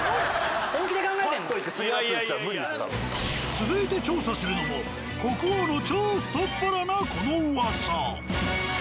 続いて調査するのも国王の超太っ腹なこの噂。